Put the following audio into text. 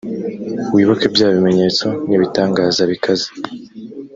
wibuke bya bimenyetso n’ibitangaza bikaze